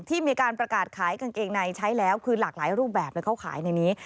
ที่มีการประกาศขายกางเกงในใช้แล้วคือหลากหลายรูปแบบเลยเขาขายในนี้